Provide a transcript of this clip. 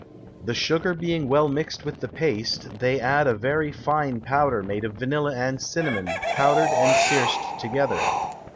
The Sugar being well mix'd with the Paste, they add a very fine Powder made of Vanilla and Cinnamon powdred and searced together.